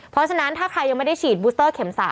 เพราะฉะนั้นถ้าใครยังไม่ได้ฉีดบูสเตอร์เข็ม๓